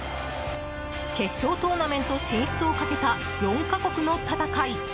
決勝トーナメント進出をかけた４か国の戦い。